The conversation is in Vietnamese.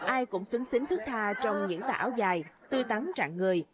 ai cũng xứng xính thức tha trong những tà áo dài tươi tắn trạng người